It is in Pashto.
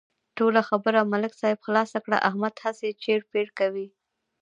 ټوله خبره ملک صاحب خلاصه کړله، احمد هسې چېړ پېړ کوي.